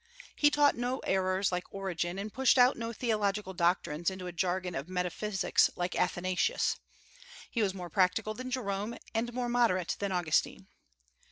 He taught no errors like Origen, and pushed out no theological doctrines into a jargon of metaphysics like Athanasius. He was more practical than Jerome, and more moderate than Augustine.